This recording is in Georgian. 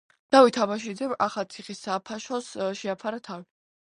დავით აბაშიძემ ახალციხის საფაშოს შეაფარა თავი.